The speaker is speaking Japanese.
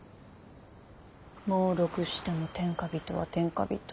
耄碌しても天下人は天下人。